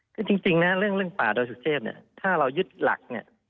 คือจริงเรื่องป่าดอยสุเทพถ้าเรายึดหลัก